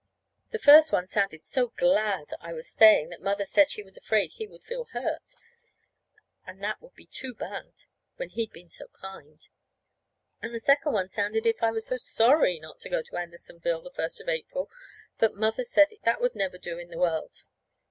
The first one sounded so glad I was staying that Mother said she was afraid he would feel hurt, and that would be too bad when he'd been so kind. And the second one sounded as if I was so sorry not to go to Andersonville the first of April that Mother said that would never do in the world.